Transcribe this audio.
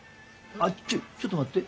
あっちょちょっと待って。